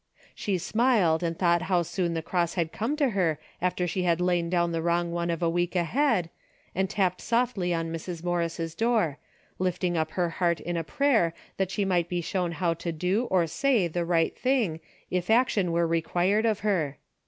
" She smiled, and thought how soon the cross had come to her after she had laid down the wrong one of a week ahead, and tapped softly on Mrs. Morris' door, lifting up her heart in a prayer that she might be shown how to do or say the right thing if action were required of her.